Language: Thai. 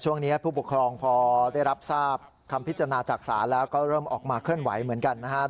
ผู้ปกครองพอได้รับทราบคำพิจารณาจากศาลแล้วก็เริ่มออกมาเคลื่อนไหวเหมือนกันนะครับ